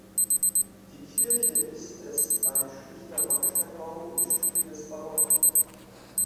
Die Kirche ist es ein schlichter Backsteinbau im Stil des Barock.